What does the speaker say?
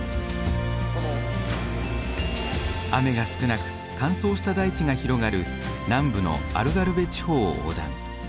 雨が少なく乾燥した大地が広がる南部のアルガルヴェ地方を横断。